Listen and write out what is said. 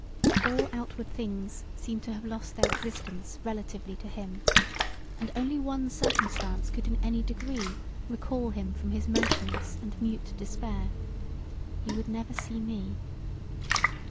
All outward things seemed to have lost their existence relatively to him and only one circumstance could in any degree recall him from his motionless and mute despair: he would never see me.